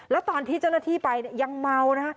แล้วตอนที่เจ้าหน้าที่ไปเนี่ยยังเมานะฮะ